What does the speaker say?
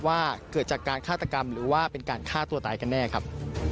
ว่าเกิดจากการฆาตกรรมหรือว่าเป็นการฆ่าตัวตายกันแน่ครับ